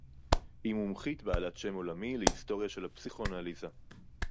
היא מומחית בעלת שם עולמי להיסטוריה של הפסיכואנליזה.